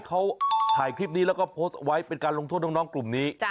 เขาถ่ายคลิปนี้แล้วก็โพสต์ไว้เป็นการลงโทษน้องกลุ่มนี้